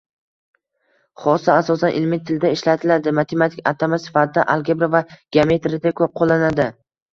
Xossa asosan ilmiy tilda ishlatiladi, matematik atama sifatida algebra va geometriyada koʻp qoʻllanadi